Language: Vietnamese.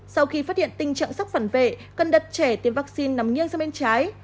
sau khi phát hiện tình trạng sốc phản vệ cần đật trẻ tiêm vaccine nằm nghiêng sang bên trái